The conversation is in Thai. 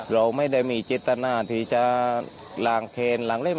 เราไม่ได้มีเจตนาที่จะลางเคนล้างเล่ม